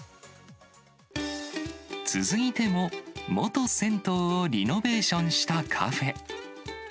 続いても元銭湯をリノベーションしたカフェ。